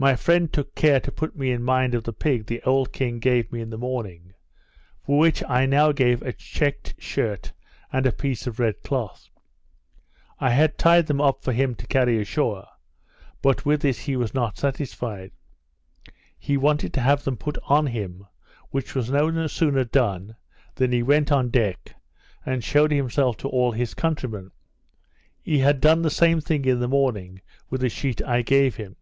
My friend took care to put me in mind of the pig the old king gave me in the morning; for which I now gave a chequed shirt and a piece of red cloth. I had tied them up for him to carry ashore; but with this he was not satisfied. He wanted to have them put on him, which was no sooner done, than he went on deck, and shewed himself to all his countrymen. He had done the same thing in the morning with the sheet I gave him.